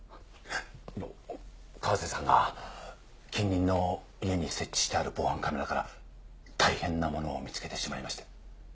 川瀬さんが近隣の家に設置してある防犯カメラから大変なものを見つけてしまいまして。